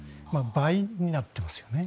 倍になっていますよね。